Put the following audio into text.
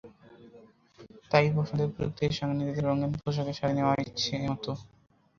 তাই বসন্তেই প্রকৃতির সঙ্গে নিজেদের রঙিন পোশাকে সাজিয়ে নেওয়া যায় ইচ্ছেমতো।